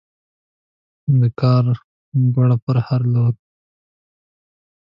له کارکوړه پر هر لور